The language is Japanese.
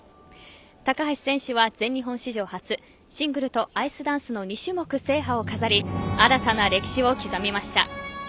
高橋選手は全日本史上初シングルとアイスダンスの２種目制覇を飾り新たな歴史を刻みました。